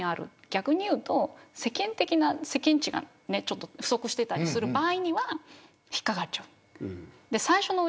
逆にいうと世間知がちょっと不足していたりする場合には引っかかっちゃう。